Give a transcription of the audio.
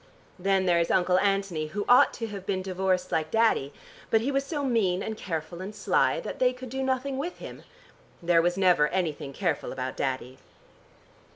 Then there is Uncle Anthony who ought to have been divorced like Daddy, but he was so mean and careful and sly that they could do nothing with him. There was never anything careful about Daddy."